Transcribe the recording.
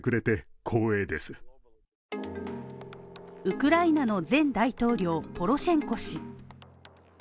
ウクライナの前大統領ポロシェンコ氏。